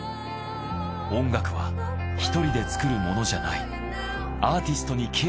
音楽は一人で作るものじゃない。